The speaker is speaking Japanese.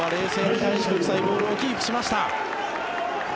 開志国際ボールをキープしました。